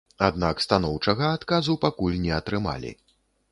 Аднак станоўчага адказу пакуль не атрымалі.